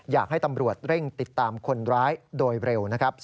อยากให้ตำรวจเร่งติดตามคนร้ายโดยเร็วนะครับ